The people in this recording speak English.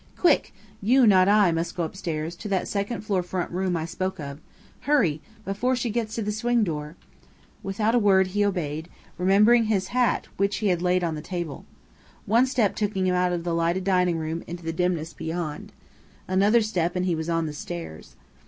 Quick! You, not I, must go upstairs to that second floor front room I spoke of. Hurry! Before she gets to the swing door " Without a word he obeyed, remembering his hat, which he had laid on the table. One step took him out of the lighted dining room into the dimness beyond. Another step and he was on the stairs.